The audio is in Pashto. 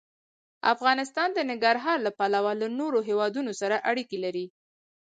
افغانستان د ننګرهار له پلوه له نورو هېوادونو سره اړیکې لري.